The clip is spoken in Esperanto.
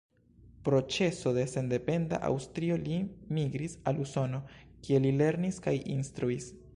Pro ĉeso de sendependa Aŭstrio li migris al Usono, kie li lernis kaj instruis.